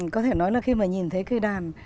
có thể nói là khi mà nhìn thấy cây đàn